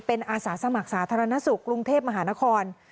เป็นอาสาสมัครสาธารณสุขกรุงเทพมหานคร